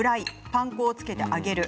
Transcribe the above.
パン粉をつけて揚げる。